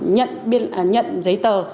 nhận giấy tờ